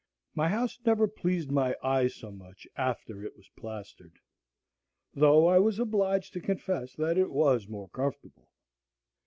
My house never pleased my eye so much after it was plastered, though I was obliged to confess that it was more comfortable.